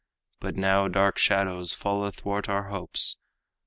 But now dark shadows fall athwart our hopes.